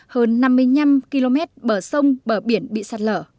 hơn năm mươi năm km bờ sông bờ biển bị sạt lở